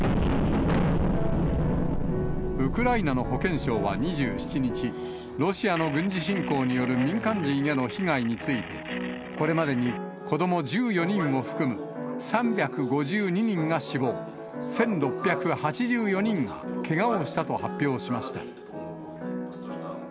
ウクライナの保健省は２７日、ロシアの軍事侵攻による民間人への被害について、これまでに子ども１４人を含む３５２人が死亡、１６８４人がけがをしたと発表しました。